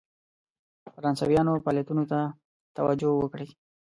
فرانسویانو فعالیتونو ته توجه وکړي.